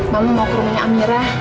mama mau ke rumahnya amira